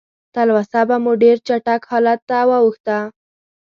تلوسه به مو ډېر چټک حالت ته واوښته.